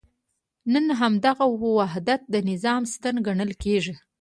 نن همدغه وحدت د نظام ستن ګڼل کېږي.